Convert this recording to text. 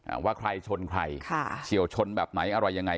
ว่าใครชนใครค่ะเฉียวชนแบบไหนอะไรยังไง